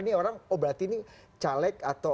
ini orang oh berarti ini caleg atau